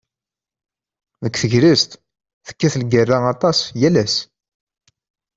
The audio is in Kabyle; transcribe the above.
Deg tegrest, tekkat lgerra aṭas yal ass.